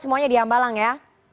semuanya di hambalang ya